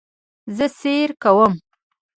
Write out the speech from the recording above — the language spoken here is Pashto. زه سیر کوم